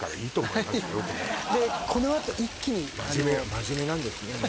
これでこのあと一気に真面目真面目なんですね